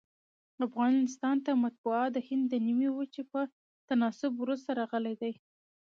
افغانستان ته مطبعه دهند د نیمي وچي په تناسب وروسته راغلې ده.